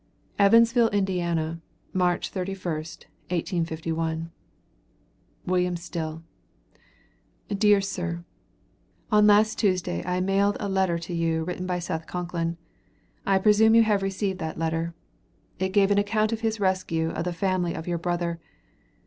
EVANSVILLE, INDIANA, MARCH 31st, 1851. WM. STILL: Dear Sir , On last Tuesday I mailed a letter to you, written by Seth Concklin. I presume you have received that letter. It gave an account of his rescue of the family of your brother.